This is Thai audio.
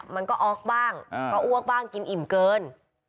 มันก็ออกบ้างก็อ้วกบ้างกินอิ่มเกิน